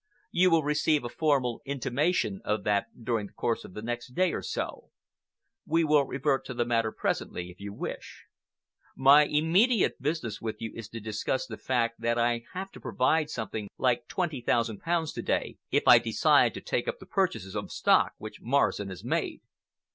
You will receive a formal intimation of that during the course of the next day or so. We will revert to the matter presently, if you wish. My immediate business with you is to discuss the fact that I have to provide something like twenty thousand pounds to day if I decide to take up the purchases of stock which Morrison has made."